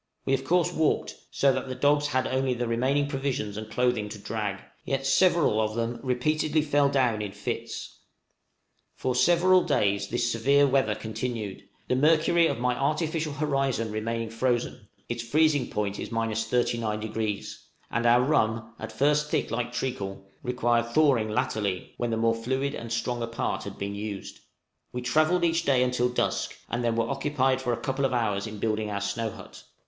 We of course walked, so that the dogs had only the remaining provisions and clothing to drag, yet several of them repeatedly fell down in fits. {TRAVELLING ROUTINE.} For several days this severe weather continued, the mercury of my artificial horizon remaining frozen (its freezing point is 39°); and our rum, at first thick like treacle, required thawing latterly, when the more fluid and stronger part had been used. We travelled each day until dusk, and then were occupied for a couple of hours in building our snow hut.